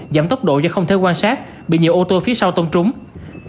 giảm tốc độ do không thể quan sát